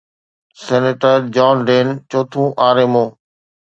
senator John Dean چوٿون R-Mo